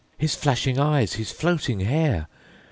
His flashing eyes, his floating hair!